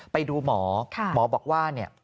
ไปดูหมอหมอบอกว่าเนี่ย